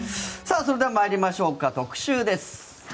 それでは参りましょうか特集です。